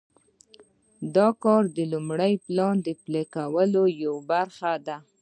دا کار د لوی پلان د پلي کولو یوه برخه ده.